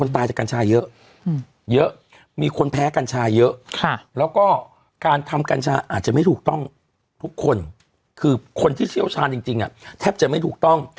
ทุกคนคือคนที่เชี่ยวชาญจริงอะแทบจะไม่ถูกต้อง